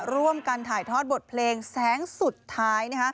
ร่วมกันถ่ายทอดบทเพลงแสงสุดท้าย